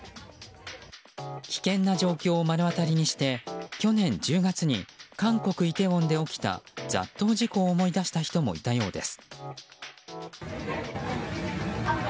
危険な状況を目の当たりにして去年１０月に韓国イテウォンで起きた雑踏事故を思い出した人もいたようです。